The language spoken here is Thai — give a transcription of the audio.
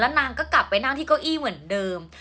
นางก็กลับไปนั่งที่เก้าอี้เหมือนเดิม